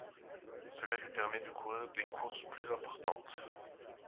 Cela lui permet de courir des courses plus importantes.